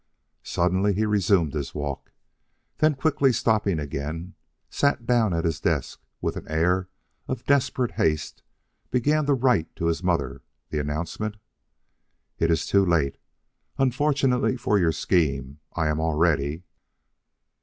Suddenly he resumed his walk; then quickly stopping again sat down at his desk and with an air of desperate haste began a letter to his mother with the announcement: It is too late. Unfortunately for your scheme, I am already....